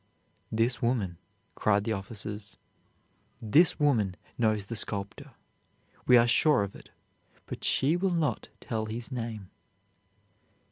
"This woman," cried the officers, "this woman knows the sculptor; we are sure of it; but she will not tell his name."